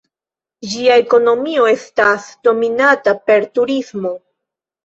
Ĝia ekonomio estas dominata per turismo.